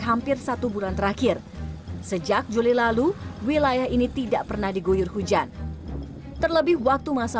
hampir satu bulan terakhir sejak juli lalu wilayah ini tidak pernah diguyur hujan terlebih waktu masa